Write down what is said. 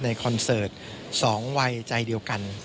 คอนเสิร์ต๒วัยใจเดียวกัน